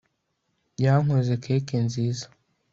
yankoze keke nziza